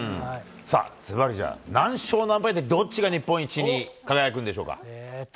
さあ、ずばりじゃあ、何勝何敗でどっちが日本一に輝くんでしょうか。